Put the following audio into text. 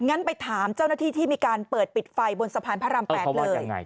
งั้นไปถามเจ้าหน้าที่ที่มีการเปิดปิดไฟบนสะพานพระราม๘เลย